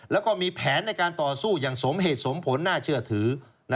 แล้วก็มีแผนในการต่อสู้อย่างสมเหตุสมผลน่าเชื่อถือ